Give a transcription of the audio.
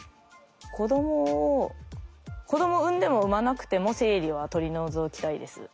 子どもを子ども産んでも産まなくても生理は取り除きたいです。